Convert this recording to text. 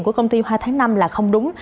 của công ty hòa tháng năm là không đúng